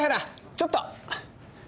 ちょっと。